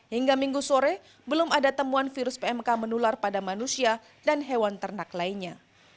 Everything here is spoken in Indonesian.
hingga minggu sore belum ada temuan virus pmk menular pada manusia dan hewan ternak lainnya